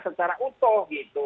secara utuh gitu